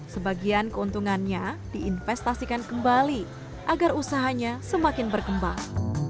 sebagian keuntungannya diinvestasikan kembali agar usahanya semakin berkembang